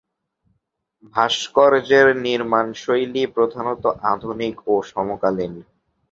ভাস্কর্যের নির্মাণশৈলী প্রধানত আধুনিক ও সমকালীন।